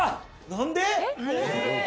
何で？